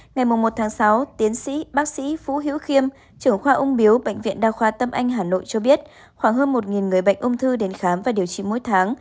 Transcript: ngày một sáu tiến sĩ bác sĩ vũ hiễu khiêm trưởng khoa ung biếu bệnh viện đa khoa tâm anh hà nội cho biết khoảng hơn một người bệnh ung thư đến khám và điều trị mỗi tháng